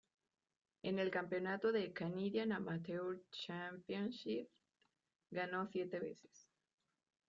En el campeonato de "Canadian Amateur Championships", ganó siete veces.